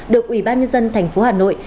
được ủy ban nhân dân tp hà nội